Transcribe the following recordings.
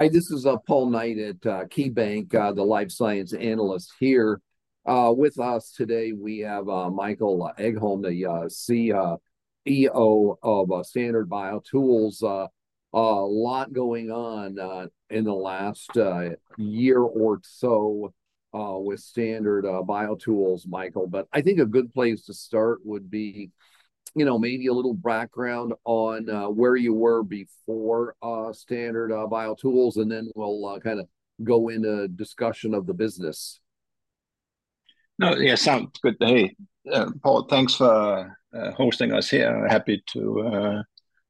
Hi, this is Paul Knight at KeyBank, the life science analyst here. With us today we have Michael Egholm, the CEO of Standard BioTools. A lot going on in the last year or so with Standard BioTools, Michael, but I think a good place to start would be maybe a little background on where you were before Standard BioTools, and then we'll kind of go into discussion of the business. No, yeah, sounds good. Hey, Paul, thanks for hosting us here. Happy to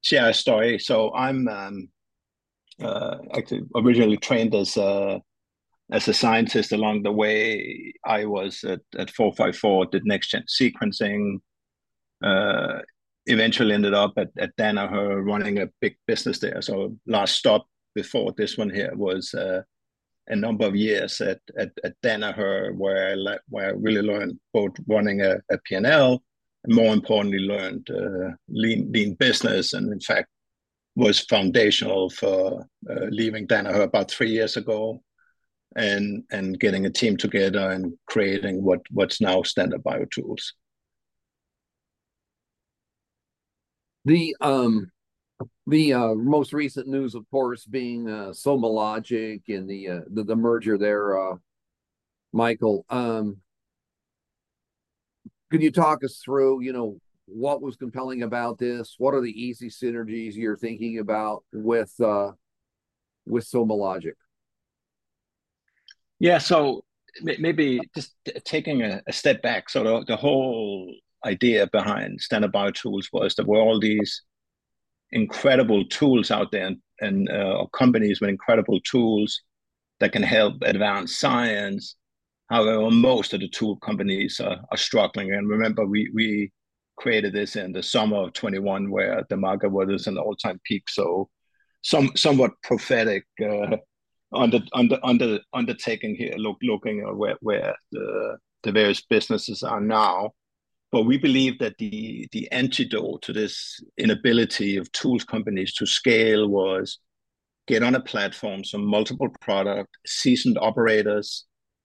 share a story. So I'm actually originally trained as a scientist. Along the way, I was at 454, did next-gen sequencing, eventually ended up at Danaher running a big business there. So last stop before this one here was a number of years at Danaher, where I really learned both running a P&L and, more importantly, learned lean business and, in fact, was foundational for leaving Danaher about 3 years ago and getting a team together and creating what's now Standard BioTools. The most recent news, of course, being SomaLogic and the merger there, Michael. Can you talk us through what was compelling about this? What are the easy synergies you're thinking about with SomaLogic? Yeah, so maybe just taking a step back. So the whole idea behind Standard BioTools was there were all these incredible tools out there and companies with incredible tools that can help advance science. However, most of the tool companies are struggling. And remember, we created this in the summer of 2021 where the market was at an all-time peak, so somewhat prophetic undertaking here, looking at where the various businesses are now. But we believe that the antidote to this inability of tool companies to scale was get on a platform, some multiple product, seasoned operators.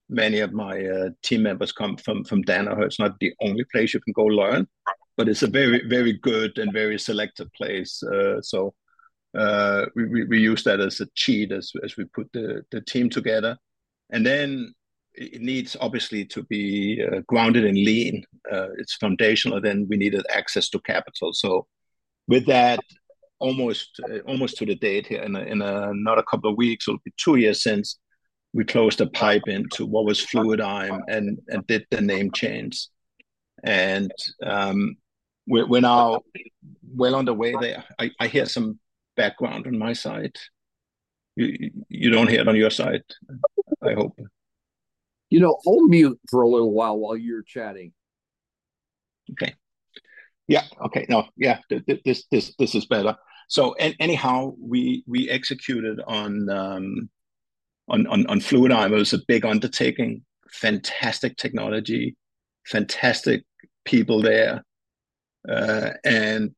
Many of my team members come from Danaher. It's not the only place you can go learn, but it's a very, very good and very selective place. So we used that as a cheat as we put the team together. And then it needs, obviously, to be grounded in lean. It's foundational. Then we needed access to capital. So with that, almost to the date here, in not a couple of weeks, it'll be two years since we closed the PIPE into what was Fluidigm and did the name change. And we're now well on the way there. I hear some background on my side. You don't hear it on your side, I hope. I'll mute for a little while while you're chatting. Okay. Yeah. Okay. No, yeah, this is better. So anyhow, we executed on Fluidigm. It was a big undertaking, fantastic technology, fantastic people there, and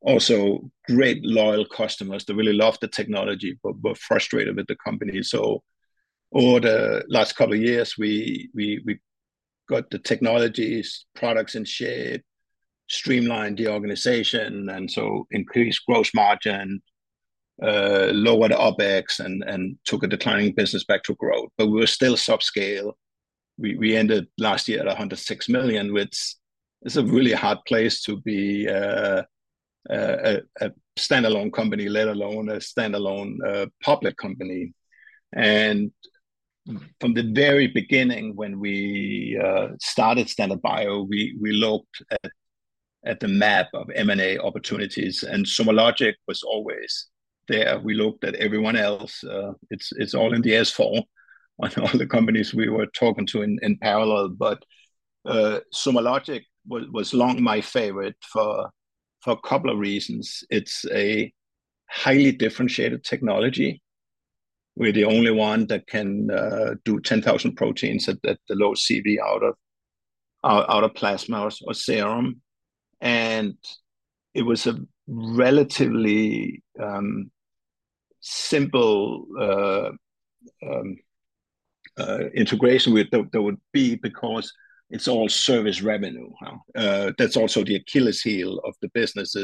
also great loyal customers. They really loved the technology but were frustrated with the company. So over the last couple of years, we got the technologies, products in shape, streamlined the organization, and so increased gross margin, lowered OpEx, and took a declining business back to growth. But we were still subscale. We ended last year at $106 million, which is a really hard place to be a standalone company, let alone a standalone public company. And from the very beginning, when we started Standard BioTools, we looked at the map of M&A opportunities, and SomaLogic was always there. We looked at everyone else. It's all in the S4 on all the companies we were talking to in parallel. But SomaLogic was long my favorite for a couple of reasons. It's a highly differentiated technology. We're the only one that can do 10,000 proteins at the low CV out of plasma or serum. And it was a relatively simple integration that would be because it's all service revenue. That's also the Achilles heel of the business.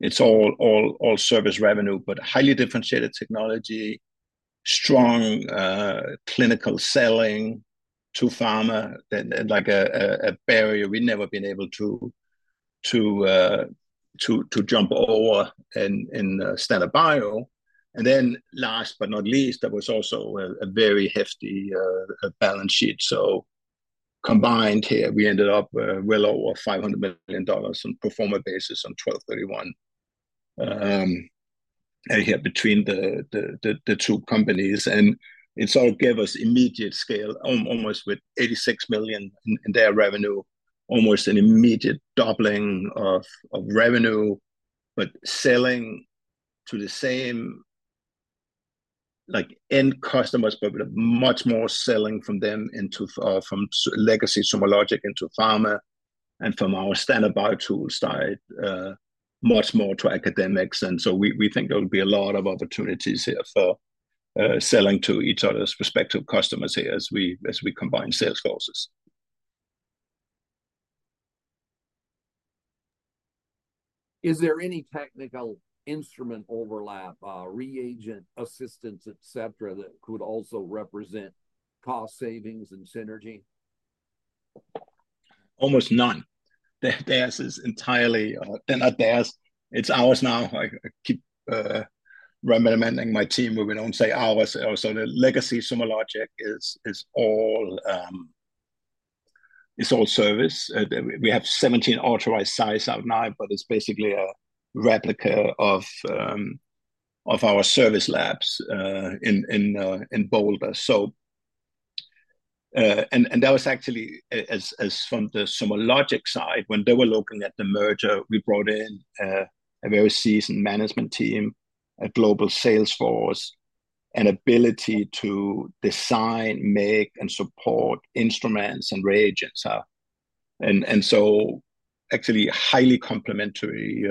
It's all service revenue, but highly differentiated technology, strong clinical selling to pharma, like a barrier we'd never been able to jump over in Standard Bio. And then last but not least, there was also a very hefty balance sheet. So combined here, we ended up well over $500 million on pro forma basis on 12/31 here between the two companies. It sort of gave us immediate scale, almost with $86 million in their revenue, almost an immediate doubling of revenue, but selling to the same end customers, but with much more selling from them into legacy SomaLogic into pharma and from our Standard BioTools side, much more to academics. And so we think there will be a lot of opportunities here for selling to each other's respective customers here as we combine sales forces. Is there any technical instrument overlap, reagent assistance, etc., that could also represent cost savings and synergy? Almost none. Theirs is entirely then not theirs. It's ours now. I keep recommending my team where we don't say ours. So the legacy SomaLogic is all service. We have 17 authorized sites out now, but it's basically a replica of our service labs in Boulder. And that was actually from the SomaLogic side. When they were looking at the merger, we brought in a very seasoned management team, a global sales force, and ability to design, make, and support instruments and reagents. And so actually highly complementary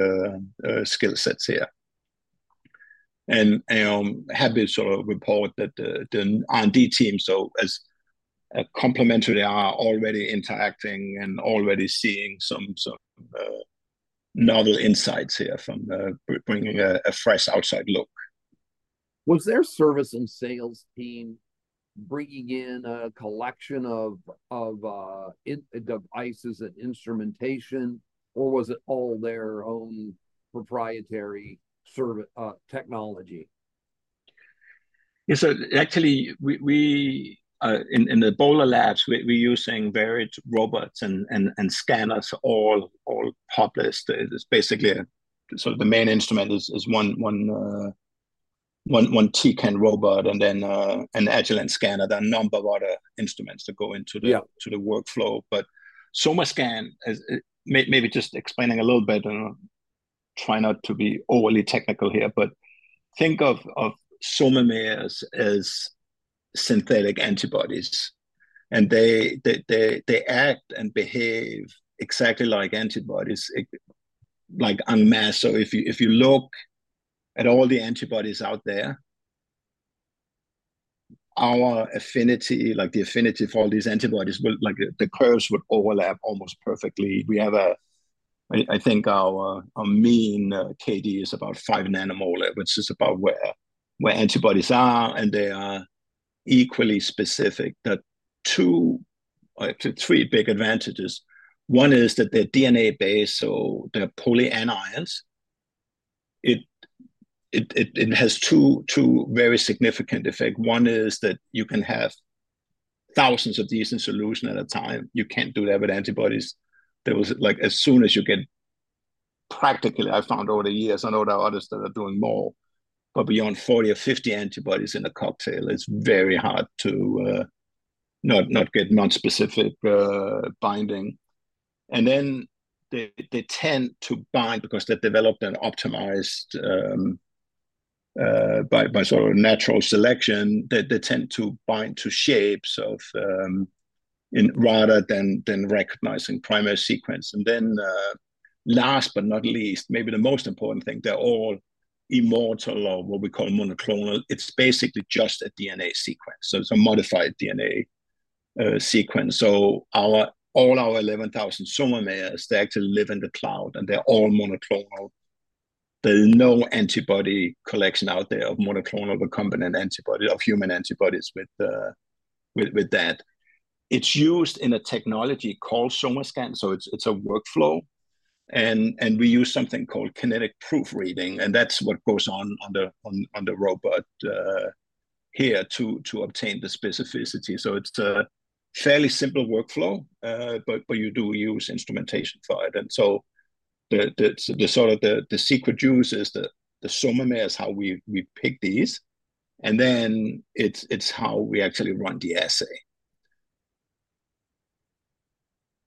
skill sets here. And I have this sort of report that the R&D team, so as complementary, they are already interacting and already seeing some novel insights here from bringing a fresh outside look. Was their service and sales team bringing in a collection of devices and instrumentation, or was it all their own proprietary technology? Yeah. So actually, in the Boulder labs, we're using varied robots and scanners, all published. Basically, sort of the main instrument is one Tecan robot and then an Agilent scanner. There are a number of other instruments that go into the workflow. But SomaScan, maybe just explaining a little bit, try not to be overly technical here, but think of SOMAmers as synthetic antibodies, and they act and behave exactly like antibodies, like monoclonal. So if you look at all the antibodies out there, our affinity, like the affinity for all these antibodies, the curves would overlap almost perfectly. I think our mean Kd is about 5 nmol/L, which is about where antibodies are, and they are equally specific. There are two to three big advantages. One is that they're DNA-based, so they're polyanions. It has two very significant effects. One is that you can have thousands of these in solution at a time. You can't do that with antibodies. As soon as you get practically, I found over the years, I know there are others that are doing more, but beyond 40 or 50 antibodies in a cocktail, it's very hard to not get non-specific binding. And then they tend to bind because they've developed an optimized by sort of natural selection. They tend to bind to shapes rather than recognizing primary sequence. And then last but not least, maybe the most important thing, they're all immortal or what we call monoclonal. It's basically just a DNA sequence, so it's a modified DNA sequence. So all our 11,000 SOMAmers, they actually live in the cloud, and they're all monoclonal. There's no antibody collection out there of monoclonal or recombinant antibodies or human antibodies with that. It's used in a technology called SomaScan. So it's a workflow, and we use something called kinetic proofreading. And that's what goes on the robot here to obtain the specificity. So it's a fairly simple workflow, but you do use instrumentation for it. And so the sort of the secret juice is the SOMAmer, how we pick these, and then it's how we actually run the assay.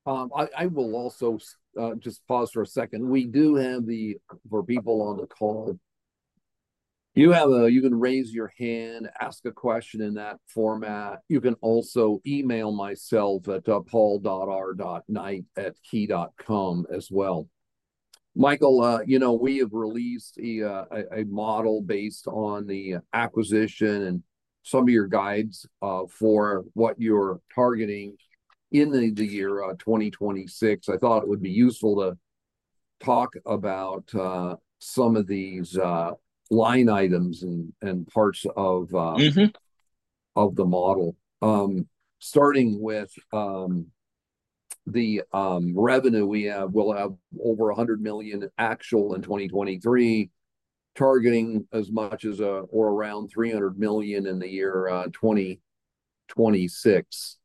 I will also just pause for a second. We do have the format for people on the call, you can raise your hand, ask a question in that format. You can also email myself at paul.r.knight@key.com as well. Michael, we have released a model based on the acquisition and some of your guidance for what you're targeting in the year 2026. I thought it would be useful to talk about some of these line items and parts of the model. Starting with the revenue we have, we'll have over $100 million actual in 2023, targeting as much as or around $300 million in the year 2026.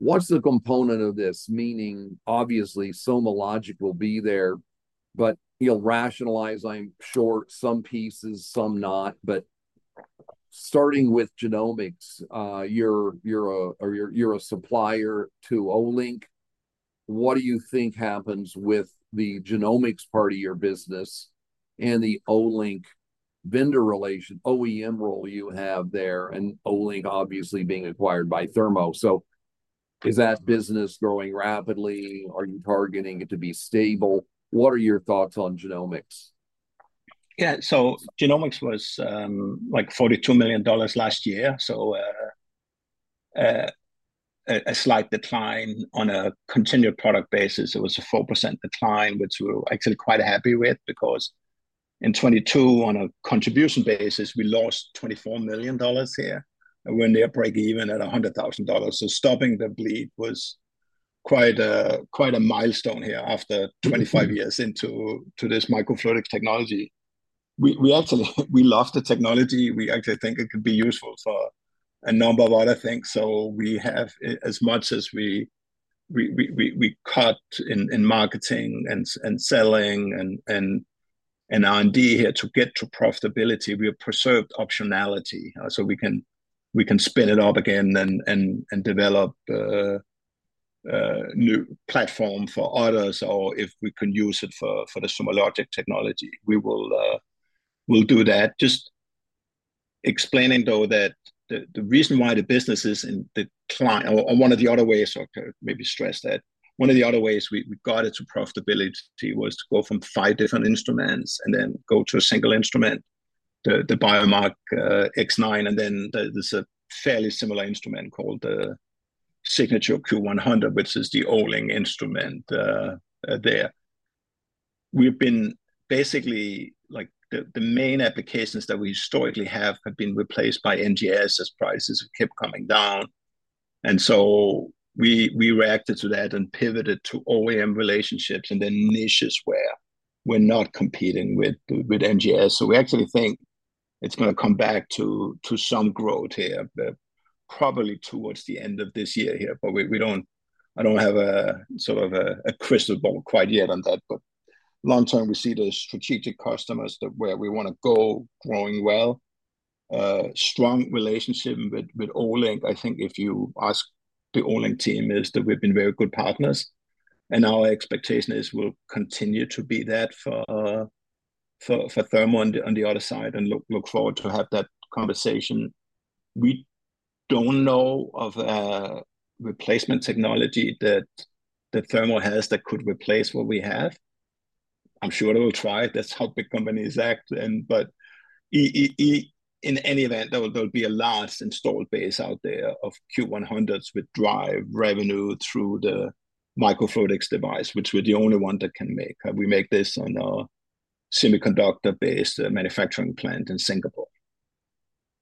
What's the component of this? Meaning, obviously, SomaLogic will be there, but you'll rationalize, I'm sure, some pieces, some not. But starting with genomics, you're a supplier to Olink. What do you think happens with the genomics part of your business and the Olink vendor relation, OEM role you have there, and Olink obviously being acquired by Thermo? So is that business growing rapidly? Are you targeting it to be stable? What are your thoughts on genomics? Yeah. So genomics was like $42 million last year. So a slight decline on a continued product basis. It was a 4% decline, which we were actually quite happy with because in 2022, on a contribution basis, we lost $24 million here. We're near break-even at $100,000. So stopping the bleed was quite a milestone here after 25 years into this microfluidic technology. We love the technology. We actually think it could be useful for a number of other things. So as much as we cut in marketing and selling and R&D here to get to profitability, we have preserved optionality so we can spin it up again and develop a new platform for others. Or if we can use it for the SomaLogic technology, we will do that. Just explaining, though, that the reason why the business is in decline or one of the other ways maybe stress that one of the other ways we got it to profitability was to go from five different instruments and then go to a single instrument, the Biomark X9. And then there's a fairly similar instrument called the Signature Q100, which is the Olink instrument there. We've been basically the main applications that we historically have been replaced by NGS as prices kept coming down. And so we reacted to that and pivoted to OEM relationships and then niches where we're not competing with NGS. So we actually think it's going to come back to some growth here, probably towards the end of this year here. But I don't have a sort of a crystal ball quite yet on that. But long term, we see the strategic customers where we want to go growing well, strong relationship with Olink. I think if you ask the Olink team is that we've been very good partners, and our expectation is we'll continue to be that for Thermo on the other side and look forward to have that conversation. We don't know of a replacement technology that Thermo has that could replace what we have. I'm sure they will try. That's how big companies act. But in any event, there'll be a large installed base out there of Q100s with drive revenue through the microfluidics device, which we're the only one that can make. We make this on a semiconductor-based manufacturing plant in Singapore.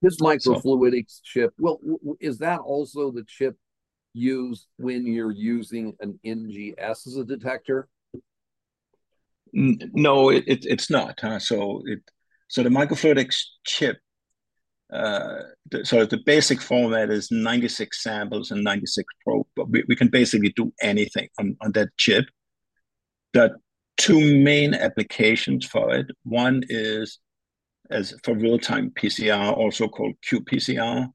This microfluidics chip, well, is that also the chip used when you're using an NGS as a detector? No, it's not. So the microfluidics chip, so the basic format is 96 samples and 96 probes. We can basically do anything on that chip. There are two main applications for it. One is for real-time PCR, also called qPCR.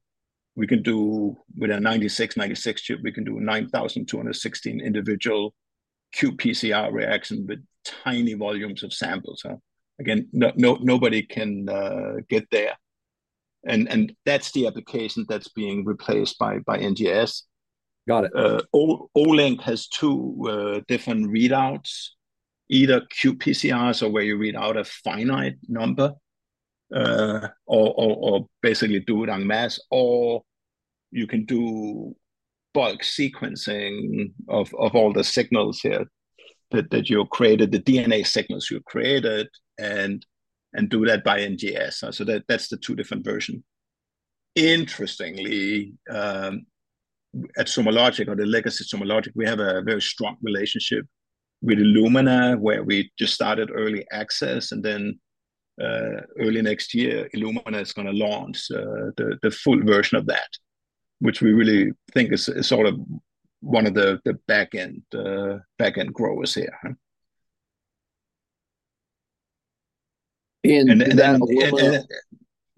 With a 96-96 chip, we can do 9,216 individual qPCR reactions with tiny volumes of samples. Again, nobody can get there. And that's the application that's being replaced by NGS. Olink has two different readouts, either qPCRs or where you read out a finite number or basically do it en masse, or you can do bulk sequencing of all the signals here that you created, the DNA signals you created, and do that by NGS. So that's the two different versions. Interestingly, at SomaLogic or the legacy SomaLogic, we have a very strong relationship with Illumina where we just started early access. And then early next year, Illumina is going to launch the full version of that, which we really think is sort of one of the backend growers here. And then.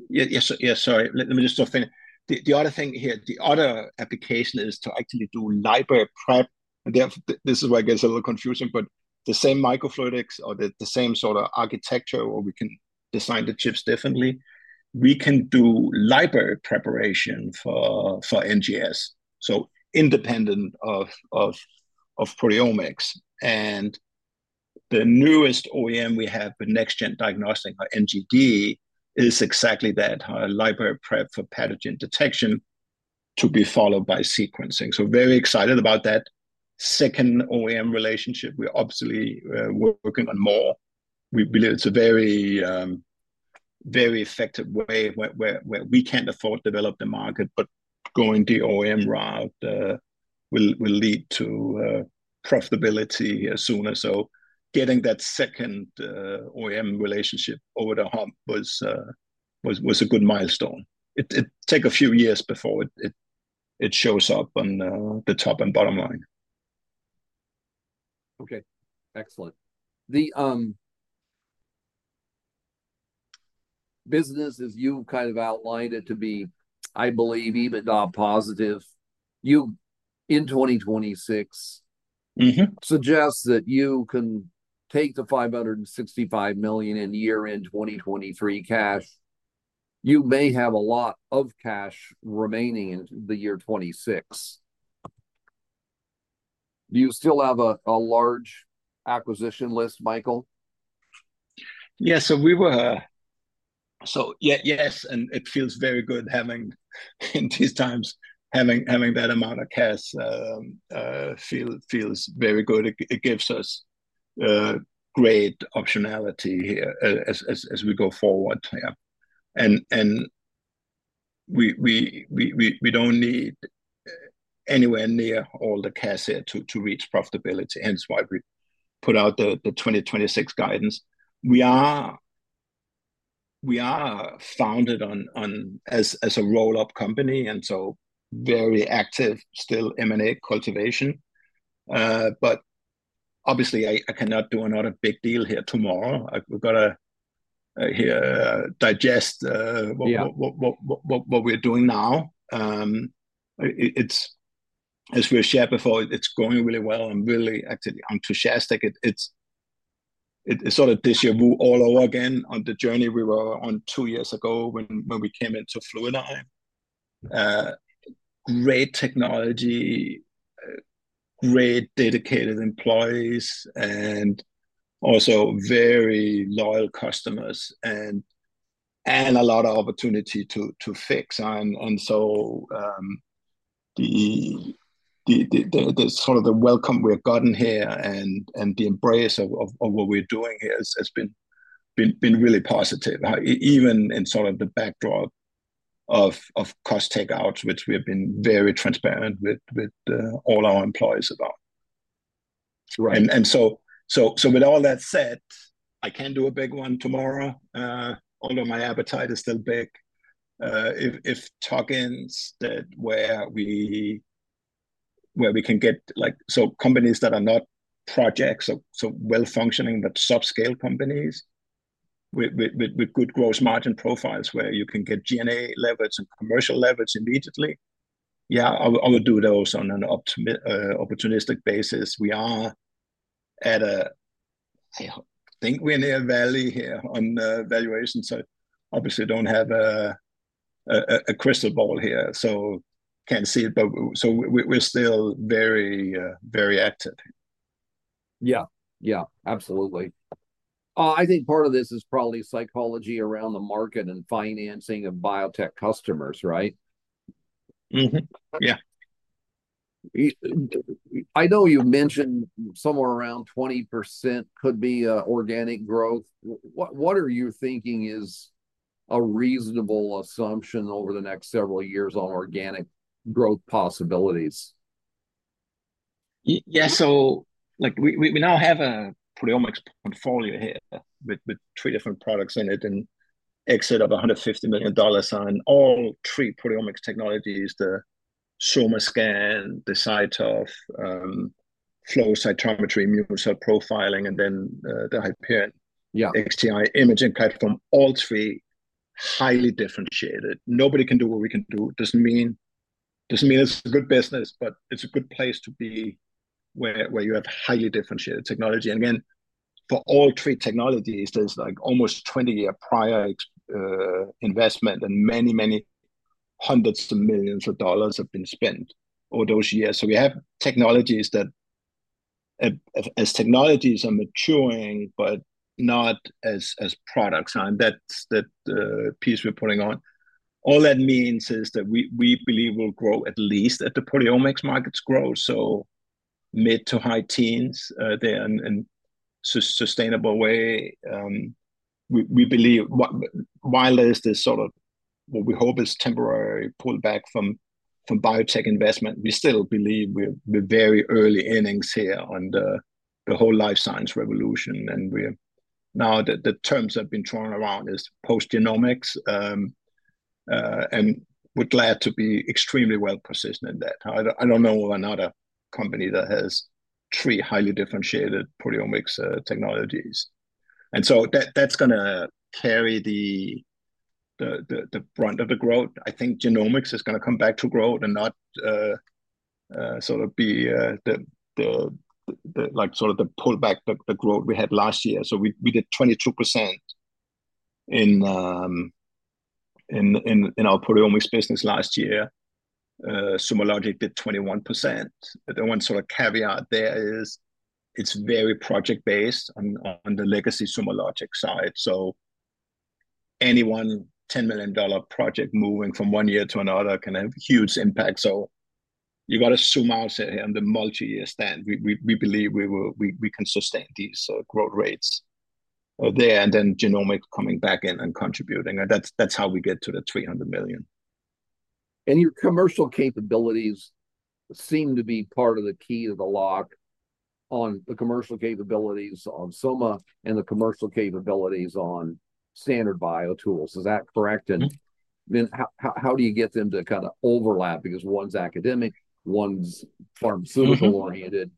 Yeah. Yeah. Sorry. Let me just stop thinking. The other thing here, the other application is to actually do library prep. And this is why it gets a little confusing, but the same microfluidics or the same sort of architecture where we can design the chips differently, we can do library preparation for NGS, so independent of proteomics. And the newest OEM we have, Next Gen Diagnostics or NGD, is exactly that, library prep for pathogen detection to be followed by sequencing. So very excited about that second OEM relationship. We're obviously working on more. We believe it's a very, very effective way where we can't afford to develop the market, but going the OEM route will lead to profitability as soon as so. Getting that second OEM relationship over the hump was a good milestone. It takes a few years before it shows up on the top and bottom line. Okay. Excellent. The business, as you've kind of outlined it to be, I believe, even positive, in 2026 suggests that you can take the $565 million and year-end 2023 cash. You may have a lot of cash remaining in the year 2026. Do you still have a large acquisition list, Michael? Yeah. So yes, and it feels very good in these times. Having that amount of cash feels very good. It gives us great optionality here as we go forward. Yeah. And we don't need anywhere near all the cash here to reach profitability. Hence why we put out the 2026 guidance. We are founded as a roll-up company and so very active still, M&A cultivation. But obviously, I cannot do another big deal here tomorrow. We've got to digest what we're doing now. As we've shared before, it's going really well. I'm really enthusiastic. It's sort of déjà vu all over again on the journey we were on two years ago when we came into Fluidigm. Great technology, great dedicated employees, and also very loyal customers and a lot of opportunity to fix. So, sort of, the welcome we've gotten here and the embrace of what we're doing here has been really positive, even in sort of the backdrop of cost takeouts, which we have been very transparent with all our employees about. So, with all that said, I can't do a big one tomorrow. Although my appetite is still big, if plug-ins where we can get so companies that are not projects, so well-functioning but subscale companies with good gross margin profiles where you can get G&A leverage and commercial leverage immediately. Yeah, I would do those on an opportunistic basis. We are at a, I think we're near valley here on valuation. So obviously, I don't have a crystal ball here, so can't see it. So we're still very, very active. Yeah. Yeah. Absolutely. I think part of this is probably psychology around the market and financing of biotech customers, right? Yeah. I know you mentioned somewhere around 20% could be organic growth. What are you thinking is a reasonable assumption over the next several years on organic growth possibilities? Yeah. So we now have a proteomics portfolio here with three different products in it and exit of $150 million on all three proteomics technologies, the SomaScan, the CyTOF, flow cytometry, immune cell profiling, and then the Hyperion XTi imaging platform, all three highly differentiated. Nobody can do what we can do. Doesn't mean it's a good business, but it's a good place to be where you have highly differentiated technology. And again, for all three technologies, there's almost 20-year prior investment and many, many hundreds of millions of dollars have been spent over those years. So we have technologies that, as technologies are maturing, but not as products. And that's the piece we're putting on. All that means is that we believe we'll grow at least at the proteomics market's growth, so mid to high teens there in a sustainable way. We believe while there's this sort of what we hope is temporary pullback from biotech investment, we still believe we're very early innings here on the whole life science revolution. And now the terms have been thrown around as post-genomics, and we're glad to be extremely well-positioned in that. I don't know of another company that has three highly differentiated proteomics technologies. And so that's going to carry the brunt of the growth. I think genomics is going to come back to growth and not sort of be sort of the pullback, the growth we had last year. So we did 22% in our proteomics business last year. SomaLogic did 21%. The one sort of caveat there is it's very project-based on the legacy SomaLogic side. So any one $10 million project moving from one year to another can have huge impacts. You got to zoom out here on the multi-year stand. We believe we can sustain these growth rates there, and then genomics coming back in and contributing. That's how we get to the $300 million. Your commercial capabilities seem to be part of the key to the lock on the commercial capabilities on Soma and the commercial capabilities on Standard BioTools. Is that correct? How do you get them to kind of overlap? Because one's academic, one's pharmaceutical-oriented.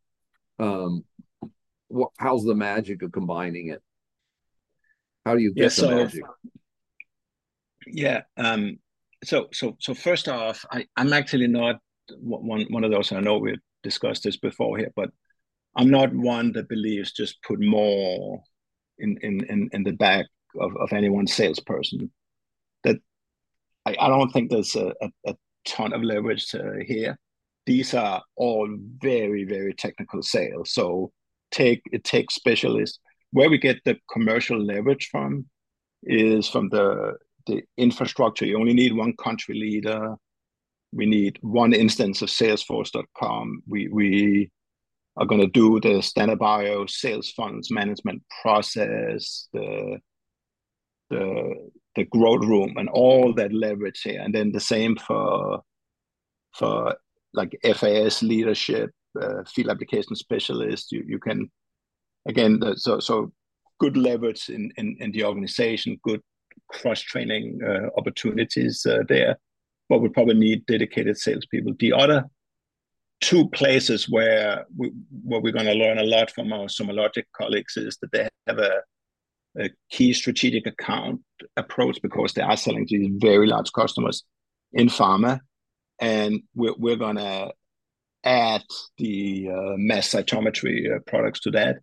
How's the magic of combining it? How do you get the magic? Yeah. So first off, I'm actually not one of those and I know we've discussed this before here, but I'm not one that believes just put more in the back of anyone's salesperson. I don't think there's a ton of leverage here. These are all very, very technical sales. So it takes specialists. Where we get the commercial leverage from is from the infrastructure. You only need one country leader. We need one instance of salesforce.com. We are going to do the Standard Bio sales funds management process, the growth room, and all that leverage here. And then the same for FAS leadership, field application specialists. Again, so good leverage in the organization, good cross-training opportunities there, but we probably need dedicated salespeople. The other two places where we're going to learn a lot from our SomaLogic colleagues is that they have a key strategic account approach because they are selling to these very large customers in pharma. We're going to add the mass cytometry products to that.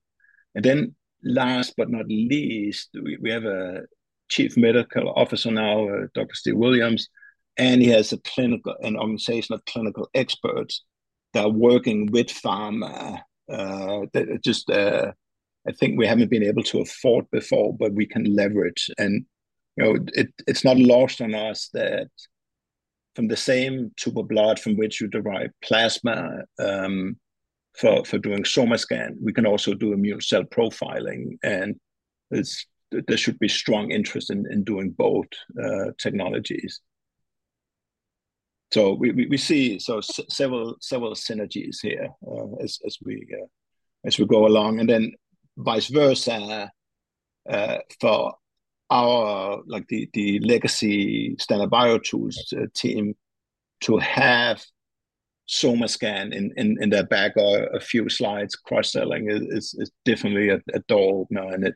Then last but not least, we have a Chief Medical Officer now, Dr. Steve Williams, and he has an organization of clinical experts that are working with pharma that just I think we haven't been able to afford before, but we can leverage. It's not lost on us that from the same tube of blood from which you derive plasma for doing SomaScan, we can also do immune cell profiling. There should be strong interest in doing both technologies. We see several synergies here as we go along. And then vice versa for our legacy Standard BioTools team to have SomaScan in their back pocket or a few slides. Cross-selling is definitely a tool. And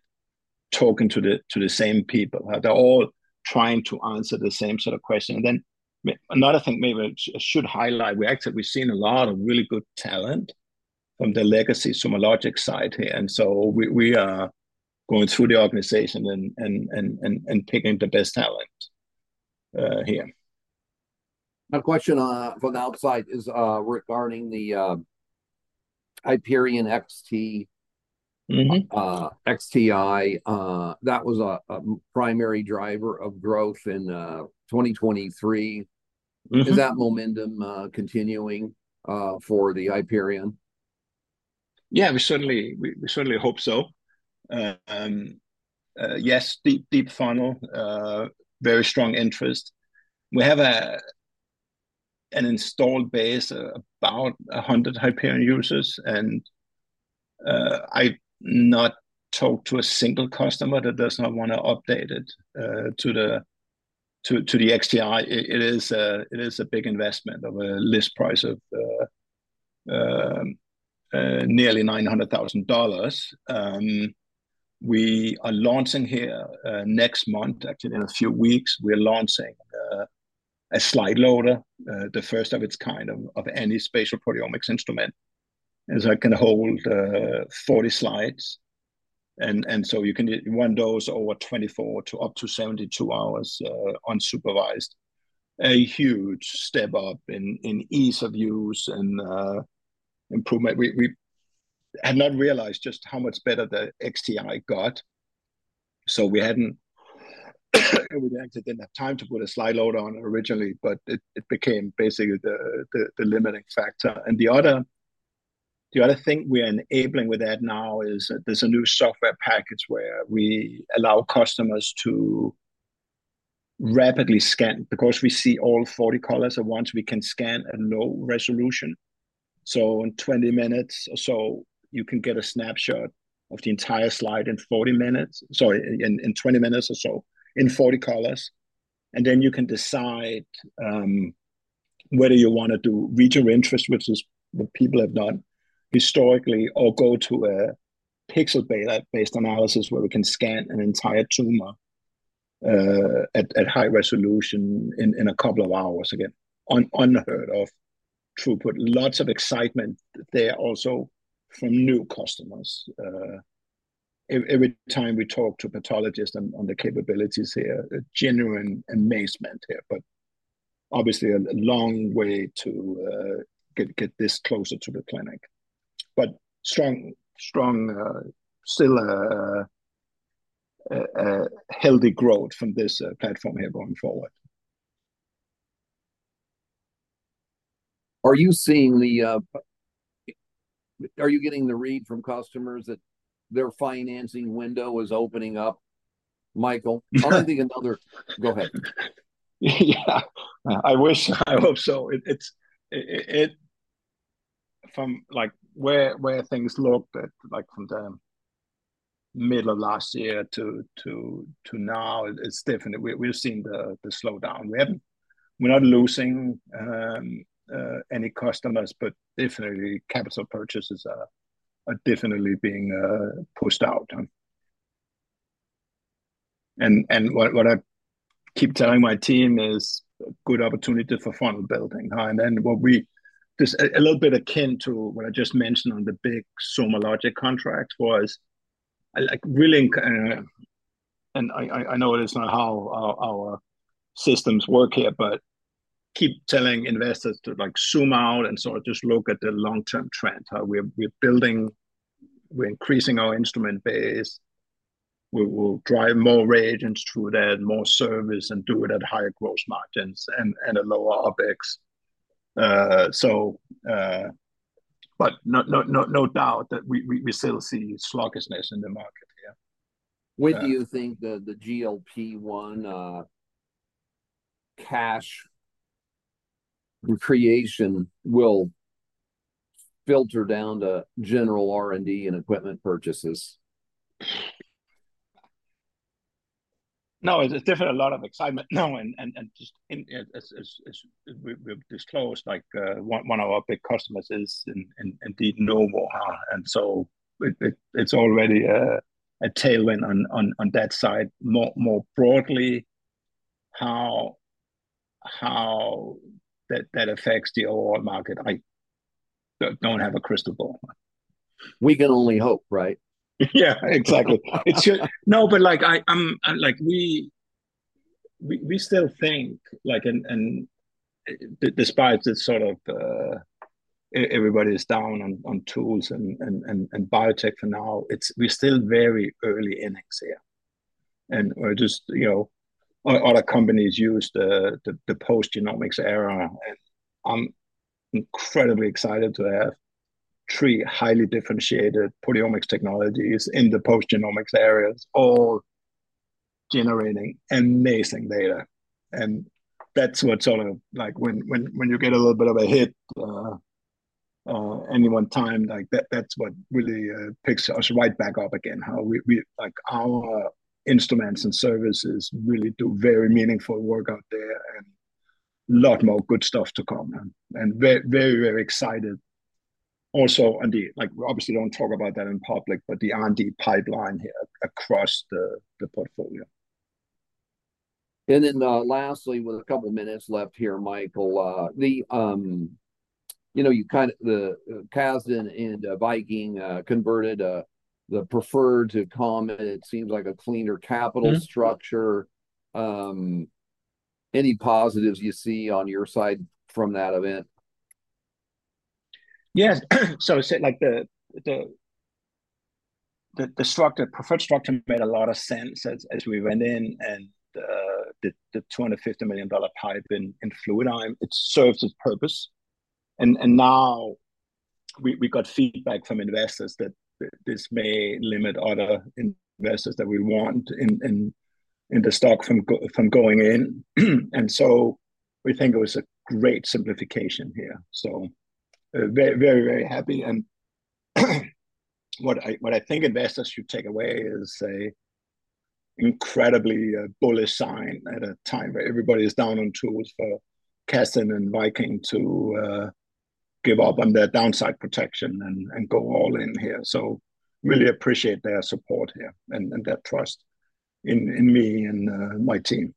talking to the same people, they're all trying to answer the same sort of question. And then another thing maybe I should highlight, we've seen a lot of really good talent from the legacy SomaLogic side here. And so we are going through the organization and picking the best talent here. My question from the outside is regarding the Hyperion XTi. That was a primary driver of growth in 2023. Is that momentum continuing for the Hyperion? Yeah, we certainly hope so. Yes, deep funnel, very strong interest. We have an installed base of about 100 Hyperion users. And I've not talked to a single customer that does not want to update it to the XTi. It is a big investment of a list price of nearly $900,000. We are launching here next month, actually in a few weeks, we are launching a slide loader, the first of its kind of any spatial proteomics instrument. And so it can hold 40 slides. And so you can run those over 24 to up to 72 hours unsupervised. A huge step up in ease of use and improvement. We had not realized just how much better the XTi got. So we actually didn't have time to put a slide loader on originally, but it became basically the limiting factor. The other thing we are enabling with that now is there's a new software package where we allow customers to rapidly scan because we see all 40 colors at once. We can scan at low resolution. So in 20 minutes or so, you can get a snapshot of the entire slide in 40 minutes sorry, in 20 minutes or so, in 40 colors. And then you can decide whether you want to do region of interest, which is what people have done historically, or go to a pixel-based analysis where we can scan an entire tumor at high resolution in a couple of hours. Again, unheard of throughput, lots of excitement there also from new customers. Every time we talk to pathologists on the capabilities here, genuine amazement here. But obviously, a long way to get this closer to the clinic. But strong, still healthy growth from this platform here going forward. Are you getting the read from customers that their financing window is opening up? Michael, I don't think another go ahead. Yeah. I wish. I hope so. From where things looked at from the middle of last year to now, we've seen the slowdown. We're not losing any customers, but definitely capital purchases are definitely being pushed out. And what I keep telling my team is good opportunity for funnel building. And then what we just a little bit akin to what I just mentioned on the big SomaLogic contract was really and I know it is not how our systems work here, but keep telling investors to zoom out and sort of just look at the long-term trend. We're building, we're increasing our instrument base. We'll drive more regions through that, more service, and do it at higher gross margins and a lower OPEX. But no doubt that we still see sluggishness in the market here. When do you think the GLP-1 cash creation will filter down to general R&D and equipment purchases? No, it's definitely a lot of excitement now. And just we've disclosed one of our big customers is indeed Novo Nordisk. And so it's already a tailwind on that side. More broadly, how that affects the overall market, I don't have a crystal ball. We can only hope, right? Yeah, exactly. No, but we still think, and despite the sort of everybody is down on tools and biotech for now, we're still very early innings here. Other companies use the post-genomics era. And I'm incredibly excited to have three highly differentiated proteomics technologies in the post-genomics areas, all generating amazing data. And that's what sort of when you get a little bit of a hit any one time, that's what really picks us right back up again, how our instruments and services really do very meaningful work out there and a lot more good stuff to come. Very, very excited. Also, indeed, we obviously don't talk about that in public, but the R&D pipeline here across the portfolio. And then lastly, with a couple of minutes left here, Michael, you know the Casdin and Viking converted the preferred to common, and it seems like a cleaner capital structure. Any positives you see on your side from that event? Yes. So I said the preferred structure made a lot of sense as we went in and the $250 million pipe in Fluidigm. It served its purpose. Now we got feedback from investors that this may limit other investors that we want in the stock from going in. So we think it was a great simplification here. So very, very happy. And what I think investors should take away is an incredibly bullish sign at a time where everybody is down on tools for Casdin and Viking to give up on their downside protection and go all in here. So really appreciate their support here and their trust in me and my team.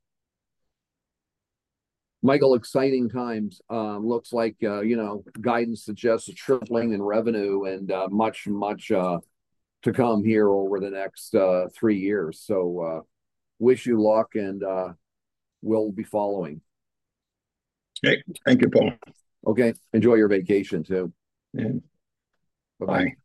Michael, exciting times. Looks like guidance suggests a tripling in revenue and much, much to come here over the next three years. Wish you luck, and we'll be following. Okay. Thank you, Paul. Okay. Enjoy your vacation too. Yeah. Bye-bye.